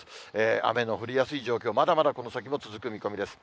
雨の降りやすい状況、まだまだこの先も続く見込みです。